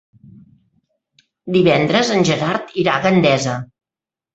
Divendres en Gerard irà a Gandesa.